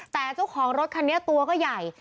แต่เจ้าของรถคันนี้ตัวก็ใหญ่